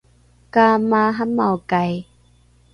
ka maaramaokai